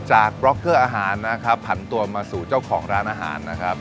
บล็อกเกอร์อาหารนะครับผันตัวมาสู่เจ้าของร้านอาหารนะครับ